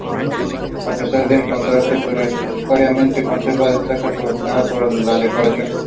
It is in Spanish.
A pesar de encontrarse precariamente conservada, destaca sobremanera por su decoración.